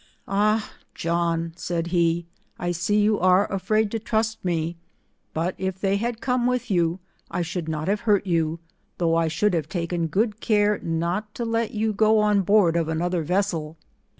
" Ah John," said he, " I see you are, afraid to trust me, but if they had come with you, I should not have hurt you, though I should have taken good care not to let you go on board of another vessel.'